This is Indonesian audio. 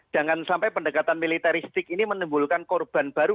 jangan sampai pendekatan militeristik ini menimbulkan korban baru